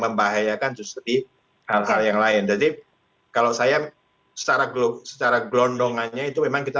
membahayakan justru hal hal yang lain jadi kalau saya secara gelondongannya itu memang kita